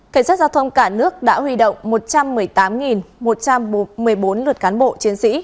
cảnh sát giao thông cả nước đã huy động một trăm một mươi tám một trăm một mươi bốn lượt cán bộ chiến sĩ